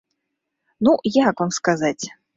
Ну, як вам сказаць?